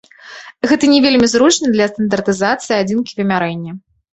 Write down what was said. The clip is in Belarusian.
Гэта не вельмі зручна для стандартызацыі адзінкі вымярэння.